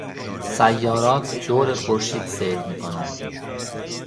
سیارات دور خورشید سیر میکنند.